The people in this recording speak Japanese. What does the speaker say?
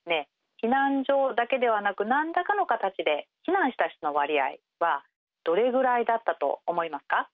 避難所だけではなく何らかの形で避難した人の割合はどれぐらいだったと思いますか？